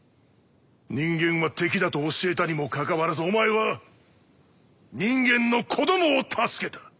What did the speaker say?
人間は敵だと教えたにもかかわらずお前は人間の子どもを助けた！